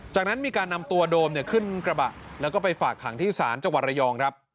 จากนั้นมีการนำตัวโดมขึ้นกระบะแล้วก็ไปฝากขังที่ศาลจังหวัดระยองครับ